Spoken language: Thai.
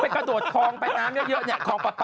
ไปกระโดดคลองไปน้ำเยอะคลองปลา